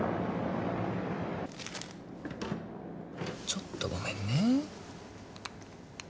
ちょっとごめんね。